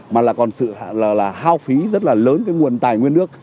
mà là còn sự hao phí rất là lớn cái nguồn tài nguyên nước